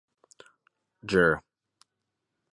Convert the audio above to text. Jur.